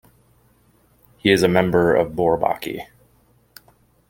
He is a member of Bourbaki.